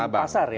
di dalam pasar ya